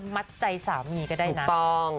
มัดใจสามีก็ได้นะถูกต้อง